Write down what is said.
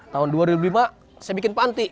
tahun dua ribu lima saya bikin panti